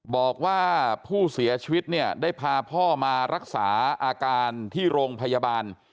บอกว่าผู้เสียชีวิตเนี่ยได้พาพ่อมารักษาอาการที่โรงพยาบาล